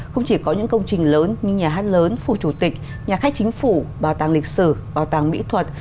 không chỉ có những công trình lớn như nhà hát lớn phủ chủ tịch nhà khách chính phủ bảo tàng lịch sử bảo tàng mỹ thuật